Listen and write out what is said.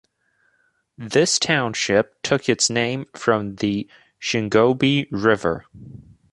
This township took its name from the Shingobee River.